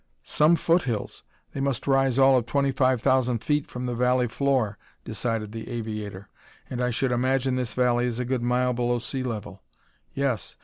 "Some foothills! They must rise all of 25,000 feet from the valley floor," decided the aviator, "and I should imagine this valley is a good mile below sea level. Yes!